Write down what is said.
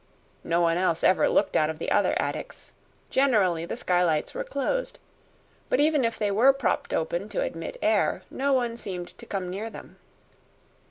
No one else ever looked out of the other attics. Generally the skylights were closed; but even if they were propped open to admit air, no one seemed to come near them.